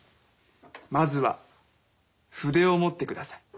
まずは筆を持ってください。